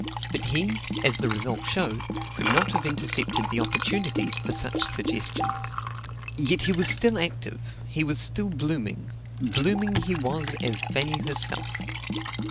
But he, as the result showed, could not have intercepted the opportunities for such suggestions. Yet he was still active; he was still blooming. Blooming he was as Fanny herself.